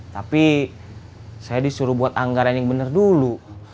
tapi saya disuruh buat anggaran yang benar dulu